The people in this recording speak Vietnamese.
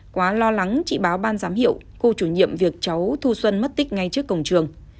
quá lo lắng chị báo ban giám hiệu cô chủ nhiệm việc cháu thu xuân mất tích ngay trước cổng trường